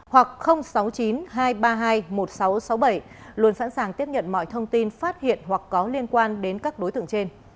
hoặc sáu mươi chín hai trăm ba mươi hai một nghìn sáu trăm sáu mươi bảy luôn sẵn sàng tiếp nhận mọi thông tin phát hiện hoặc có liên quan đến các đối tượng trên